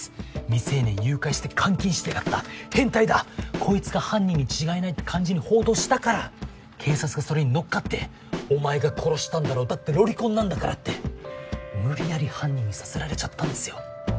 未成年誘拐して監禁してやがった変態だこいつが犯人に違いないって感じに報道したから警察がそれに乗っかってお前が殺したんだろだってロリコンなんだからって無理やり犯人にさせられちゃったんですよ。